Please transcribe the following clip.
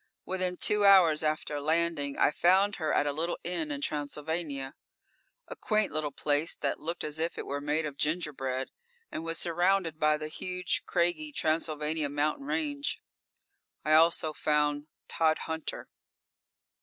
Within two hours after landing, I found her at a little inn in Transylvania, a quaint little place that looked as if it were made of gingerbread, and was surrounded by the huge, craggy Transylvania Mountain range. I also found Tod Hunter.